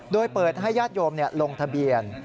โดยเปิดให้ญาติโยมลงทะเบียน